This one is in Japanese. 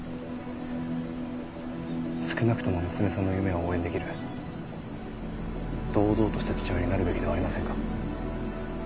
少なくとも娘さんの夢を応援できる堂々とした父親になるべきではありませんか？